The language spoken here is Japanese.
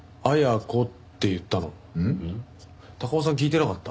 高尾さん聞いてなかった？